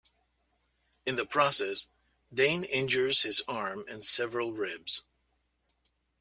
In the process, Dain injures his arm and several ribs.